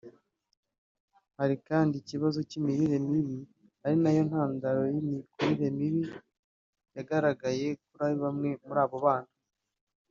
Hari kandi ikibazo cy’imirire mibi ari nayo ntandaro y’imikurire mibi yagaragaye kuri bamwe muri abo bana